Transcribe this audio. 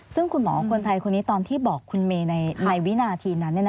ซึ่งคุณหมอคนไทยคนนี้ตอนที่บอกคุณเมย์ในวินาทีนั้น